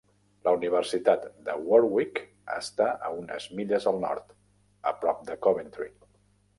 La Universitat de Warwick està a unes milles al nord, a prop de Coventry.